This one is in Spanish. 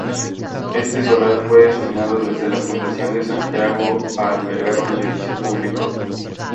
Este solar fue destinado desde la fundación de Santiago a albergar un edificio público.